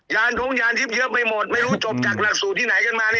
ยานทรงยานทิ๊บเยอะไปหลับไม่รู้จบจากลักษุที่ไหนกันมาเนี่ย